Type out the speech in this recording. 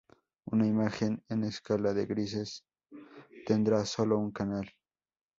Una imagen en escala de grises tendrá sólo un canal.